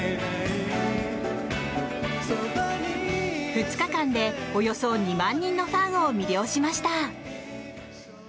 ２日間でおよそ２万人のファンを魅了しました。